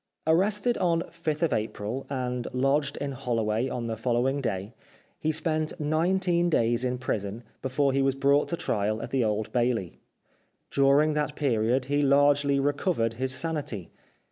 Arrested on 5th April, and lodged in Holloway on the following day, he spent nineteen days in prison before he was brought to trial at the Old Bailey. During that period he largely recovered his sanity.